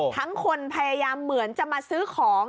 ทั้งคนพยายามเหมือนจะมาซื้อของ